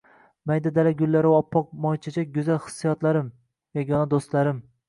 Mayda dala gullari va oppoq moychechak go`zal hissiyotlarim, yagona do`stlarim